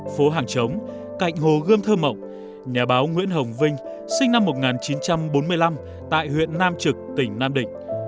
phố hàng chống cạnh hồ gươm thơ mộng nhà báo nguyễn hồng vinh sinh năm một nghìn chín trăm bốn mươi năm tại huyện nam trực tỉnh nam định